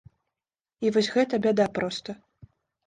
І вось гэта бяда проста.